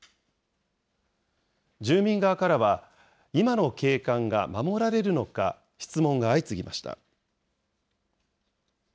住民側からは、今の景観が守られるのか、質問が相次ぎました。